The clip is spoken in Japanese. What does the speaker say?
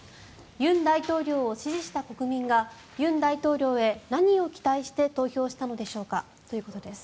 尹大統領を支持した国民が尹大統領へ何を期待して投票したのでしょうかということです。